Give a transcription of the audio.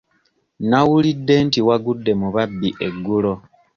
Nawulidde nti wagudde mu babbi eggulo.